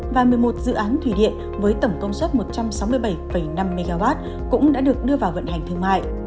và một mươi một dự án thủy điện với tổng công suất một trăm sáu mươi bảy năm mw cũng đã được đưa vào vận hành thương mại